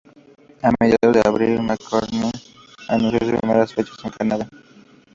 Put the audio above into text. A mediados de abril, McCartney anunció sus primeras fechas en Canadá.